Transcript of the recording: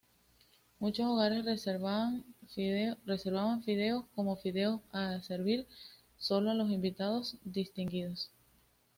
Muchos hogares reservaban fideos como fideos a servir solo a los invitados distinguidos.